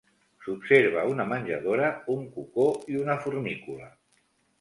S'observa una menjadora, un cocó i una fornícula.